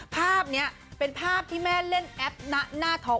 ภาพนี้เป็นภาพที่แม่เล่นแอปหน้าท้อง